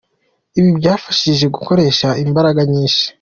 Ibi byabafashije gukoresha imbaraga nyinshi.